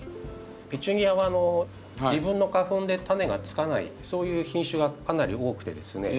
ペチュニアは自分の花粉で種がつかないそういう品種がかなり多くてですね